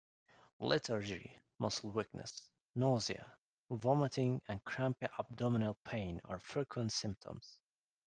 Lethargy, muscle weakness, nausea, vomiting and crampy abdominal pain are frequent symptoms.